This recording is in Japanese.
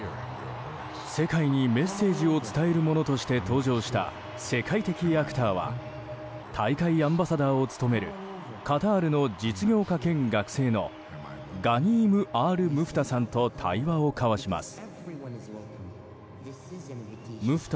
世界にメッセージを伝えるものとして登場した世界的アクターは大会アンバサダーを務めるカタールの実業家兼学生のガニーム・アール・ムフタさんと対話を交わします。